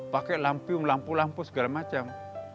pakai lampu lampu lampu segala macam